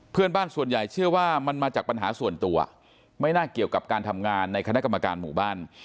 เพื่อนบ้านส่วนใหญ่เชื่อว่ามันมาจากปัญหาส่วนตัวไม่น่าเกี่ยวกับการทำงานในคณะกรรมการหมู่บ้าน